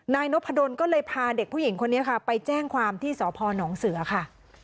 นายนพดลก็เลยพาเด็กผู้หญิงคนนี้ค่ะไปแจ้งความที่สพนเสือค่ะ